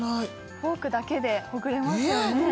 フォークだけでほぐれますよね